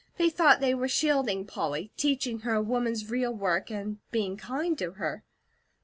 They thought they were shielding Polly, teaching her a woman's real work, and being kind to her.